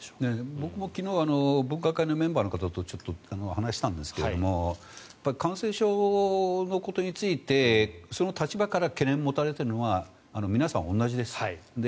僕も昨日分科会のメンバーの方とちょっと話をしたんですが感染症のことについてその立場から懸念を持たれているのは皆さん同じです。